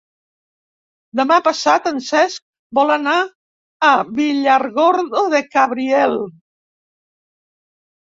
Demà passat en Cesc vol anar a Villargordo del Cabriel.